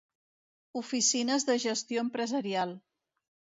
Oficines de Gestió Empresarial.